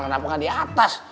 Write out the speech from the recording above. kenapa gak di atas